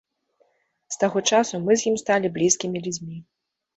З таго часу мы з ім сталі блізкімі людзьмі.